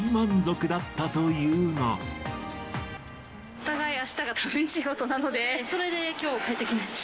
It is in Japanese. お互い、あしたが仕事なので、それできょう、帰ってきました。